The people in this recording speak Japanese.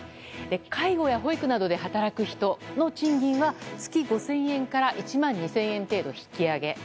介護や保育などで働く人の賃金は月５０００円から１万２０００円程度引き上げ。